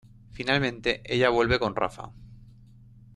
Finalmente Ella vuelve con Rafa.